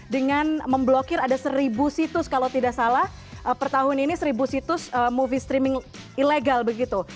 dengan memblokir ada seribu situs kalau tidak salah per tahun ini seribu situs movie streaming ilegal begitu